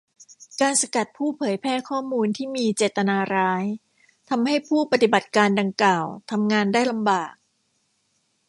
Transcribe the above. การสกัดผู้เผยแพร่ข้อมูลที่มีเจตนาร้าย ทำให้ผู้ปฏิบัติการดังกล่าวทำงานได้ลำบาก